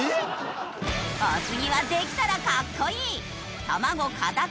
お次はできたらかっこいい。